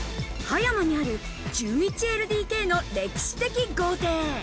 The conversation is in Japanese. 葉山にある１１ＬＤＫの歴史的豪邸。